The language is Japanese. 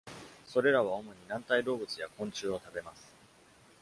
それらは主に軟体動物や昆虫を食べます。